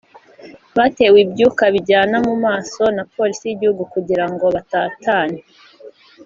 batewe ibyuka bijyana mu maso na Polisi y’Igihugu kugirango batatane